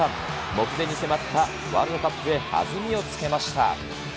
目前に迫ったワールドカップへ、弾みをつけました。